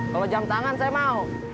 kalau jam tangan saya mau